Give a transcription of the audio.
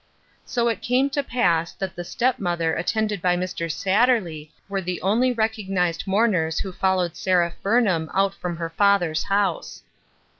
So it came to pass that the step mother attended by Mr. Satterley were the only recognized mourners who followed Seraph Burn ham out from her father's house.